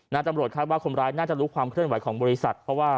นาธรรมดิ์คาดว่าคนร้ายน่าจะรู้ความเคลื่อนไหวของบริษัท